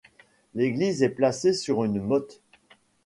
L'église est placée sur une motte.